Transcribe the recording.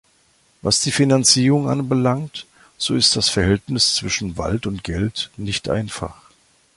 Was die Finanzierung anbelangt, so ist das Verhältnis zwischen Wald und Geld nicht einfach.